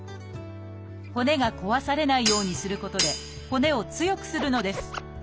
骨が壊されないようにすることで骨を強くするのです。